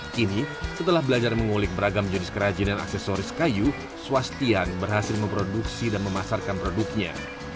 kini setelah belajar mengulik beragam jenis kerajinan aksesoris kayu swastian berhasil memproduksi dan memasarkan produknya